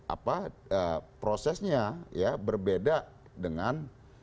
apa prosesnya ya berbeda dengan